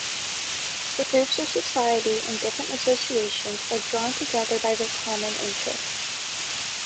The groups of society in different associations are drawn together by their common interests.